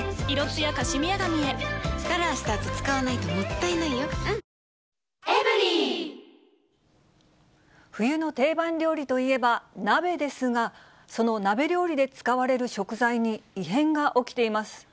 ここまで安くなるのは、冬の定番料理といえば鍋ですが、その鍋料理で使われる食材に、異変が起きています。